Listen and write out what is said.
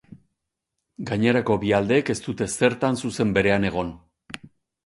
Gainerako bi aldeek ez dute zertan zuzen berean egon.